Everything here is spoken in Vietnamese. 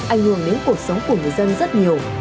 ảnh hưởng đến cuộc sống của người dân rất nhiều